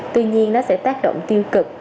tuy nhiên nó sẽ tác động tiêu cực